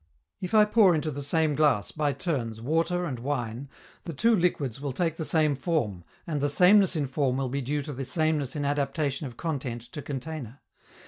If I pour into the same glass, by turns, water and wine, the two liquids will take the same form, and the sameness in form will be due to the sameness in adaptation of content to container.